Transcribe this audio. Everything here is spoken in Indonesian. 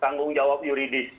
tanggung jawab yuridis